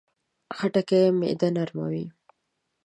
خټکی معده نرموي.